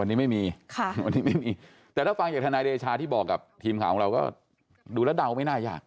วันนี้ไม่มีแต่ถ้าฟังจากธนายเดชาที่บอกกับทีมข่าวของเราก็ดูแล้วเดาไม่น่ายาก